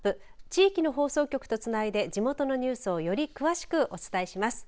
地域の放送局とつないで地元のニュースをより詳しくお伝えします。